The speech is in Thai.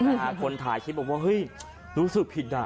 คนถ่ายคลิปบอกว่าเฮ้ยรู้สึกผิดอ่ะ